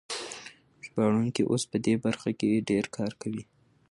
ژباړونکي اوس په دې برخه کې ډېر کار کوي.